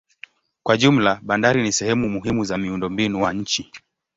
Kwa jumla bandari ni sehemu muhimu za miundombinu wa nchi.